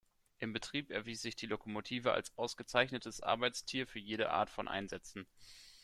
Im Betrieb erwies sich die Lokomotive als ausgezeichnetes Arbeitstier für jede Art von Einsätzen.